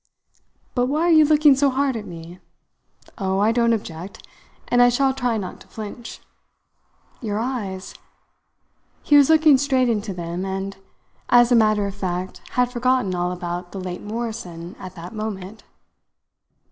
"But why are you looking so hard at me? Oh, I don't object, and I shall try not to flinch. Your eyes " He was looking straight into them, and as a matter of fact had forgotten all about the late Morrison at that moment.